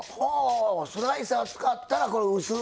スライサー使ったらこれ薄うなって。